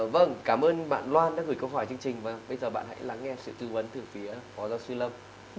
vâng cảm ơn bạn loan đã gửi câu hỏi chương trình và bây giờ bạn hãy lắng nghe sự tư vấn từ phía phó giáo sư lâm